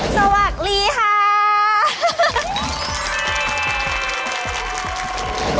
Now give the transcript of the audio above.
สวัสดีค่ะ